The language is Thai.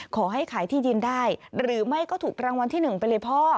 ขอให้ขายที่ดินได้หรือไม่ก็ถูกรางวัลที่๑ไปเลยพ่อ